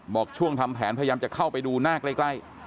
บอกช่วงทำแผนพยายามจะเข้าไปดูหน้าใกล้